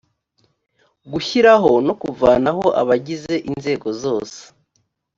gushyiraho no kuvanaho abagize inzego zose